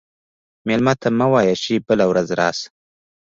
مېلمه ته مه وایه چې بله ورځ راشه.